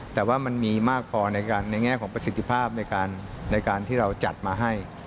แต่ว่ามันมีมากพอในแง่ของประสิทธิภาพในการที่เราจัดมาให้